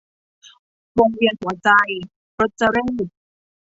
วงเวียนหัวใจ - รจเรข